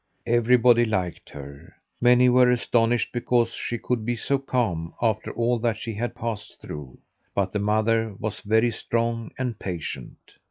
Everybody liked her. Many were astonished because she could be so calm after all that she had passed through, but the mother was very strong and patient.